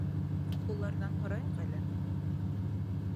Уларҙан һорайыҡ әле.